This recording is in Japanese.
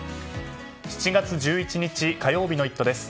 ７月１１日、火曜日の「イット！」です。